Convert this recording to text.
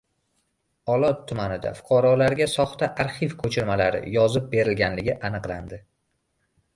Olot tumanida fuqarolarga soxta arxiv ko‘chirmalari yozib berilganligi aniqlandi